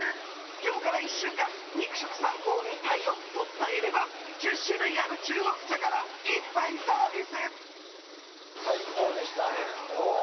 今日から１週間肉食さんぽを見たよと伝えれば１０種類ある中国茶から１杯サービス。